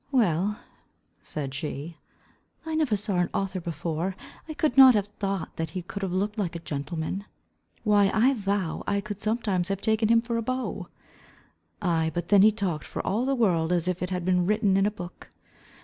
"Well," said she, "I never saw an author before. I could not have thought that he could have looked like a gentleman. Why, I vow, I could sometimes have taken him for a beau. Ay, but then he talked for all the world as if it had been written in a book.